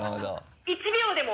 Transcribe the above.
１秒でも。